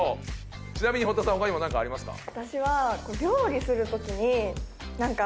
ちなみに堀田さん他にも何かありますか？